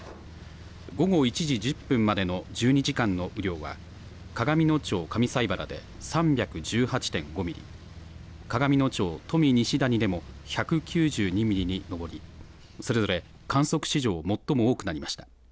午後１時１０分までの１２時間の雨量は鏡野町上齋原で３１８．５ミリ、鏡野町富西谷でも１９２ミリに上り、それぞれ観測史上最も多くなりました。